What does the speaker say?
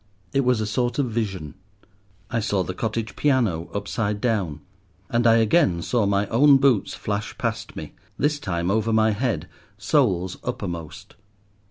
It was a sort of vision. I saw the cottage piano upside down, and I again saw my own boots flash past me, this time over my head, soles uppermost.